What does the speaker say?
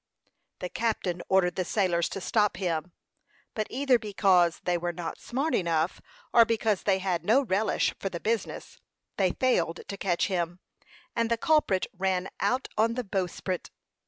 The captain ordered the sailors to stop him; but either because they were not smart enough, or because they had no relish for the business, they failed to catch him, and the culprit ran out on the bowsprit.